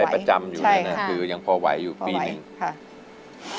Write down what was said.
ที่ไปประจำอยู่เลยนะคือยังพอไหวอยู่ปีนึง